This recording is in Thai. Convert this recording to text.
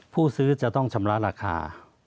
ผู้ซื้อจะต้องชำระราคา